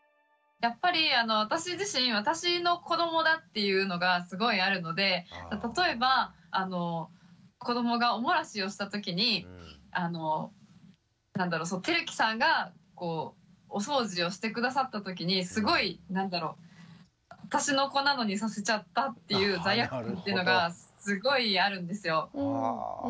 やっぱり私自身私の子どもだっていうのがすごいあるので例えば子どもがお漏らしをした時に輝樹さんがお掃除をして下さった時にすごい何だろ私の子なのにさせちゃったっていう罪悪感っていうのがすごいあるんですよ。